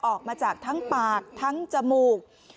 ออกมาจากทั้งปากทั้งจมูก